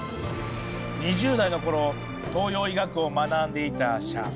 ２０代の頃東洋医学を学んでいた謝。